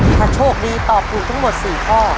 ถ้าโชคดีตอบถูกทั้งหมด๔ข้อ